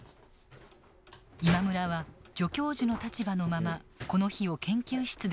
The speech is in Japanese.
今村は助教授の立場のままこの日を研究室で迎えていました。